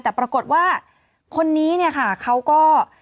แต่ปรากฏว่าคนนี้เนี่ยค่ะเขาก็